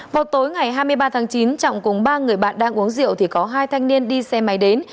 vào tối ngày hai mươi ba tháng chín trọng cùng ba người bạn đang uống rượu thì có hai thanh niên đi xe máy đến